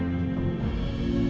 aku mau masuk kamar ya